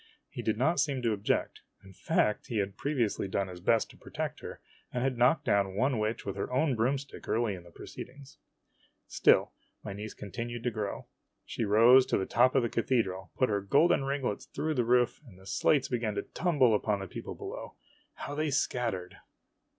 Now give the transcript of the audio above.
He did not seem to object. In fact, he had pre viously done his best to protect her, and had knocked down one witch with her own broomstick early in the proceedings. Still my niece continued to grow. She rose to the top of the cathedral, put her golden ringlets through the roof, and the slates began to tumble upon the people below. How they scattered